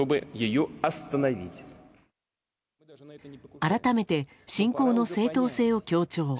改めて、侵攻の正当性を強調。